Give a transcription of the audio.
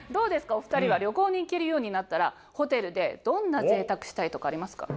お２人は旅行に行けるようになったらホテルでどんな贅沢したいとかありますか？